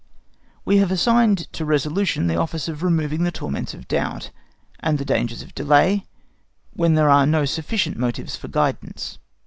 We have assigned to resolution the office of removing the torments of doubt, and the dangers of delay, when there are no sufficient motives for guidance.